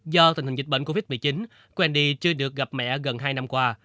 do tình hình dịch bệnh covid một mươi chín quendi chưa được gặp mẹ gần hai năm qua